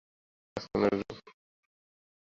রাজকন্যা রূপে আলো করিয়া দাঁড়াইয়া চামর করিতে লাগিলেন।